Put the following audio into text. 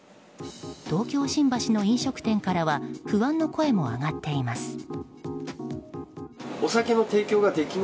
東京・新橋の飲食店からは不安の声も上がっています。